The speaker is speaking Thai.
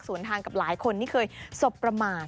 ส่วนทางกับหลายคนที่เคยสบประมาท